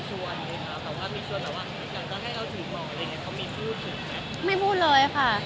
คุณก็ไม่รู้อาจจะถืออะไรอย่างนี้